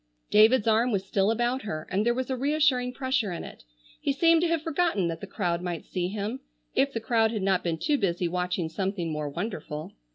David's arm was still about her, and there was a reassuring pressure in it. He seemed to have forgotten that the crowd might see him—if the crowd had not been too busy watching something more wonderful.